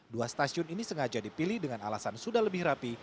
dua stasiun ini sengaja dipilih dengan alasan sudah lebih rapi